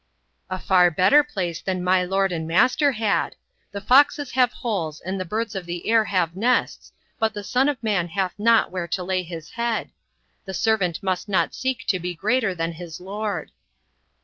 "A far better place than my Lord and Master had. The foxes have holes and the birds of the air have nests, but the Son of man hath not where to lay his head. The servant must not seek to be greater than his Lord."